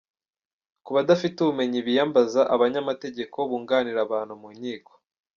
Ku badafite ubumenyi biyambaza abanyamategeko bunganira abantu mu nkiko.